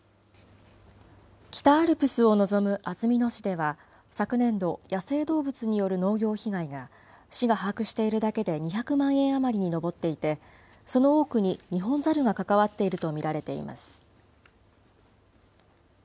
北アルプスを望む安曇野市では、昨年度、野生動物による農業被害が、市が把握しているだけで２００万円余りに上っていて、その多くにニホンザルが関わっていると見られています。